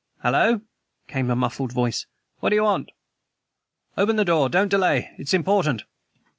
"Hallo!" came a muffled voice; "what do you want?" "Open the door! Don't delay; it is important."